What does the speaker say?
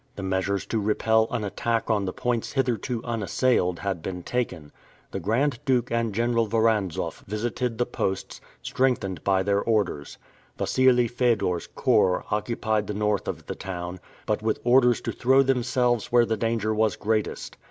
The measures to repel an attack on the points hitherto unassailed had been taken. The Grand Duke and General Voranzoff visited the posts, strengthened by their orders. Wassili Fedor's corps occupied the North of the town, but with orders to throw themselves where the danger was greatest.